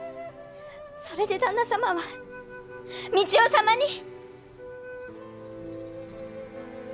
それで旦那様は三千代様に。